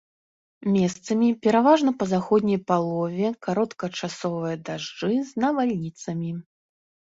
Месцамі, пераважна па заходняй палове кароткачасовыя дажджы з навальніцамі.